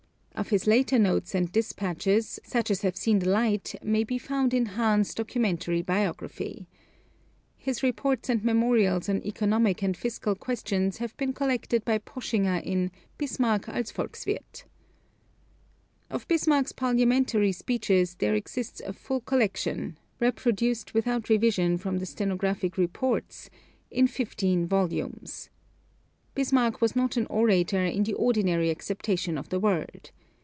Of his later notes and dispatches, such as have seen the light may be found in Hahn's documentary biography ('Fürst Bismarck,' 5 vols.). His reports and memorials on economic and fiscal questions have been collected by Poschinger in 'Bismarck als Volkswirth.' Of Bismarck's parliamentary speeches there exists a full collection (reproduced without revision from the stenographic reports) in fifteen volumes. Bismarck was not an orator in the ordinary acceptation of the word.